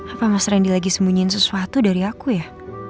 apa mas randy lagi sembunyiin sesuatu dari aku ya